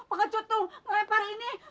pengecut tuh melempar ini